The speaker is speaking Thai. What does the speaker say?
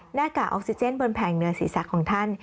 หน้ากากออกซิเจนบนแผงเนื้อศีรษะของท่าน